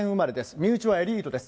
身内はエリートです。